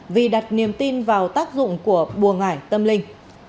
vì đặt niềm tin vào tác dụng của buồn ngại tâm linh